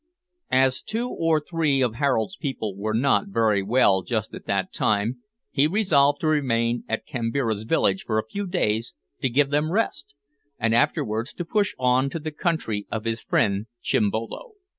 As two or three of Harold's people were not very well just at that time, he resolved to remain at Kambira's village for a few days to give them rest, and afterwards to push on to the country of his friend Chimbolo.